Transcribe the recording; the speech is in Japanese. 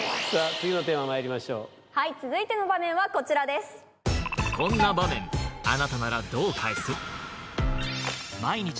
次のテーマまいりましょうはい続いての場面はこちらですが！